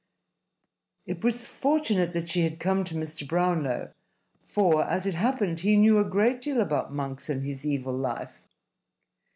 It was fortunate that she had come to Mr. Brownlow, for, as it happened, he knew a great deal about Monks and his evil life.